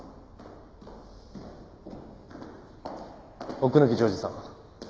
「」奥貫譲次さん